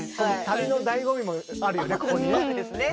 旅の醍醐味もあるよね